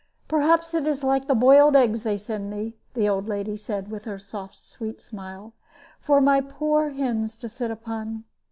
"Perhaps it is like the boiled eggs they send me," the old lady said, with her soft sweet smile, "for my poor hens to sit upon.